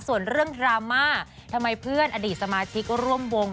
ส่วนเรื่องดราม่าทำไมเพื่อนอดีตสมาชิกร่วมวง